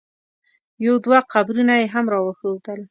یو دوه قبرونه یې هم را وښودل.